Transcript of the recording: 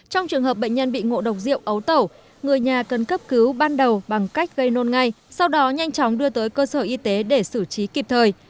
trong trường hợp bệnh nhân bị ngộ độc rượu ấu tẩu người nhà cần cấp cứu ban đầu bằng cách gây nôn ngay sau đó nhanh chóng đưa tới cơ sở y tế để xử trí kịp thời